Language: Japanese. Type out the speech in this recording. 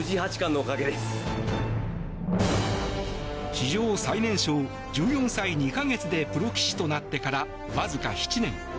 史上最年少、１４歳２か月でプロ棋士となってからわずか７年。